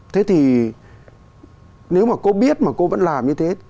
thế thì nếu mà cô biết mà cô vẫn làm như thế